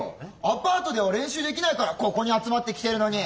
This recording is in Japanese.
アパートでは練習できないからここに集まってきてるのに！